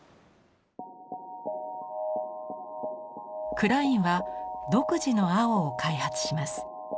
クラインは独自の青を開発します。